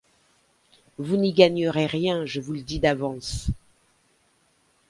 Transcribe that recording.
Vous n'y gagnerez rien, je vous le dis d'avance.